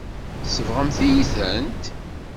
Tsebɣemt-iyi-tent.